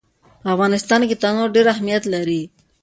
په افغانستان کې تنوع ډېر اهمیت لري.